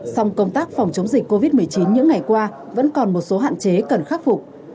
song công tác phòng chống dịch covid một mươi chín những ngày qua vẫn còn một số hạn chế cần khắc phục